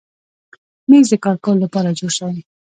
مېز د کار کولو لپاره جوړ شوی.